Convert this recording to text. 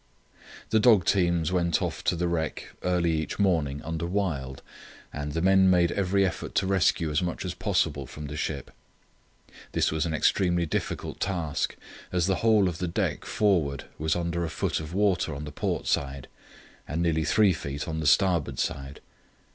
The dog teams went off to the wreck early each morning under Wild, and the men made every effort to rescue as much as possible from the ship. This was an extremely difficult task as the whole of the deck forward was under a foot of water on the port side, and nearly three feet on the starboard side.